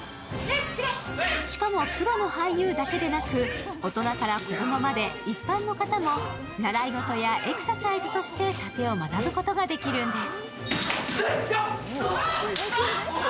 しかもプロの俳優だけでなく大人から子供まで一般の方も習い事やエクササイズとしてたてを学ぶことができるんです。